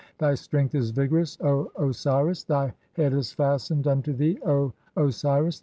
Thy strength is vigorous, O Osiris. Thy "head is fastened unto thee, O Osiris.